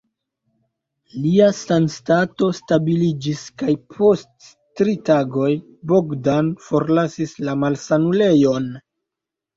Lia sanstato stabiliĝis kaj post tri tagoj Bogdan forlasis la malsanulejon.